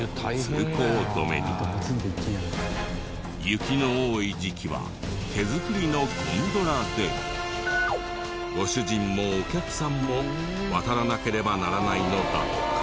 雪の多い時期は手作りのゴンドラでご主人もお客さんも渡らなければならないのだった。